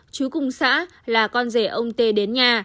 chú cùng xã là con rể ông tê đến nhà